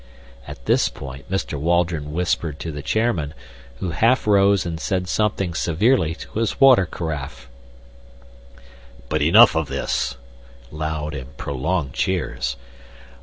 (At this point Mr. Waldron whispered to the chairman, who half rose and said something severely to his water carafe.) "But enough of this!" (Loud and prolonged cheers.)